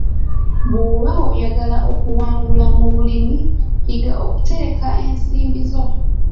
Bw'oba oyagala okuwangula mu bulimi, yiga okutereka ensimbi zo.